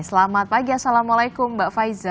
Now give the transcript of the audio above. selamat pagi assalamualaikum mbak faiza